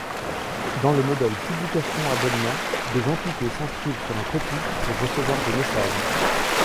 Dans le modèle publication-abonnement, des entités s’inscrivent sur un topic pour recevoir des messages.